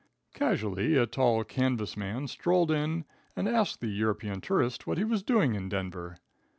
Casually a tall Kansas man strolled in and asked the European tourist what he was doing in Denver.